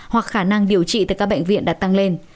hoặc khả năng điều trị tại các bệnh viện đã tăng lên